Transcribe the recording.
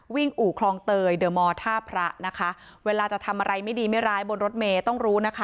อู่คลองเตยเดอร์มอร์ท่าพระนะคะเวลาจะทำอะไรไม่ดีไม่ร้ายบนรถเมย์ต้องรู้นะคะ